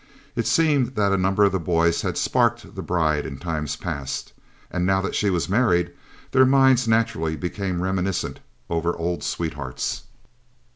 It seemed that a number of the boys had sparked the bride in times past, and now that she was married, their minds naturally became reminiscent over old sweethearts.